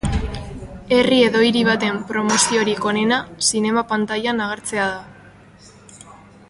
Herri edo hiri baten promoziorik onena zinema-pantailan agertzea da.